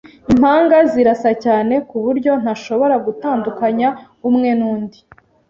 Impanga zirasa cyane kuburyo ntashobora gutandukanya umwe nundi.